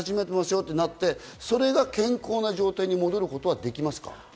よってなって、それが健康な状態に戻ることはできますか？